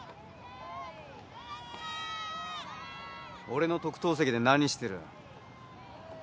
・俺の特等席で何してる？